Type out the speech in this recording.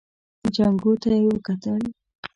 جانکو ته يې وکتل.